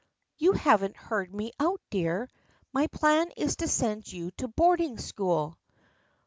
" You haven't heard me out, my dear. My plan is to send you to boarding school."